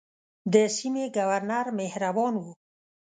د سیمې ګورنر مهربان وو.